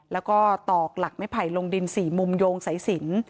แล้วก็ตอกหลักไม่ไผ่ลงดิน๔มุมโยงสายสิน